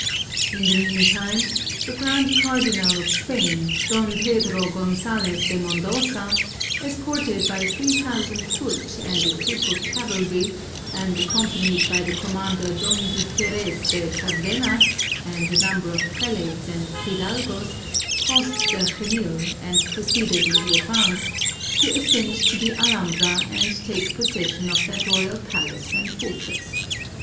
In the mean time, the grand cardinal of Spain, Don Pedro Gonzalez de Mondoza, escorted by three thou sand foot and a troop of cavalry, and accompanied by the commander Don Gutierrez de Cardenas, and a num ber of prelates and hidalgos, crossed the Xenil and pro ceeded in the advance, to ascend to the Alhambra and take possession of that royal palace and fortress.